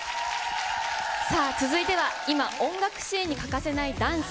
さあ続いては、今、音楽シーンに欠かせないダンス。